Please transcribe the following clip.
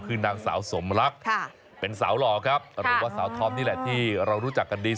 เป็นสาวหล่อครับหรือว่าสาวทอมนี่แหละที่เรารู้จักกันดี